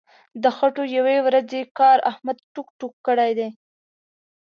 د خټو یوې ورځې کار احمد ټوک ټوک کړی دی.